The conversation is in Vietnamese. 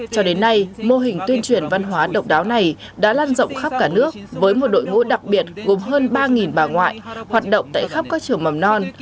cho đến nay mô hình tuyên truyền văn hóa độc đáo này đã lan rộng khắp cả nước với một đội ngũ đặc biệt gồm hơn ba bà ngoại hoạt động tại khắp các trường mầm non